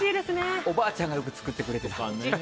おばあちゃんがよく作ってくれてた。